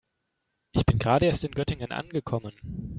Ich bin gerade erst in Göttingen angekommen